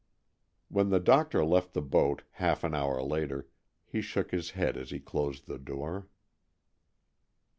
When the doctor left the boat, half an hour later, he shook his head as he closed the door.